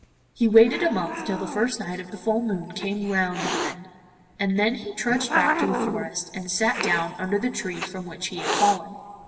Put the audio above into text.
He waited a month till the first night of the full moon came round again, and then he trudged back to the forest, and sat down under the tree from which he had fallen.